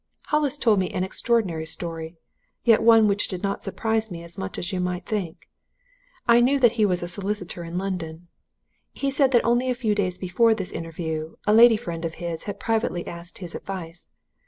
"Hollis told me an extraordinary story yet one which did not surprise me as much as you might think. I knew that he was a solicitor in London. He said that only a few days before this interview a lady friend of his had privately asked his advice.